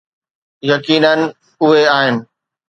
يقينا اهي آهن.